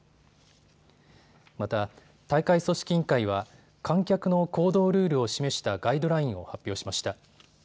また大会組織委員会は観客の行動ルールを示したガイドラインを発表しました。